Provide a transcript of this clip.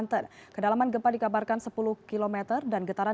terasa jadi gempa yang cukup kuat ya